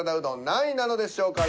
何位なのでしょうか。